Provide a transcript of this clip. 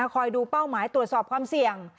คอยดูเป้าหมายตรวจสอบความเสี่ยง